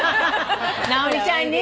直美ちゃんに？